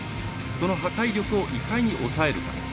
その破壊力をいかに抑えるか。